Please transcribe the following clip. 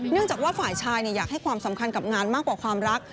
จากว่าฝ่ายชายอยากให้ความสำคัญกับงานมากกว่าความรัก